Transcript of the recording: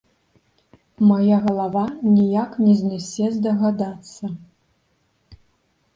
Мая галава ніяк не знясе здагадацца.